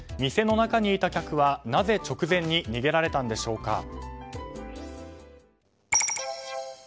店の中にいた客はなぜ直前に逃げられたんでしょうか。